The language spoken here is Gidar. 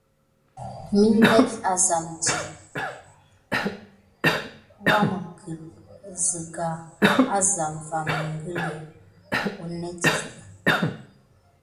Mi net aza əŋzia nam di, wounet tay azam sa waməget va məngələ.